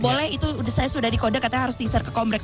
boleh itu saya sudah di kode katanya harus teaser ke komplek